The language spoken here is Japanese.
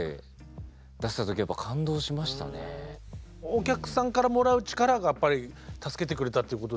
お客さんからもらう力がやっぱり助けてくれたっていうことですかね。